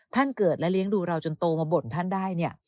ท่านเกิดและเลี้ยงดูเราจนโตมาบ่นท่านได้เนี่ย